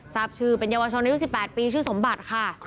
ทราบชื่อเป็นเยาวชนอายุ๑๘ปีชื่อสมบัติค่ะ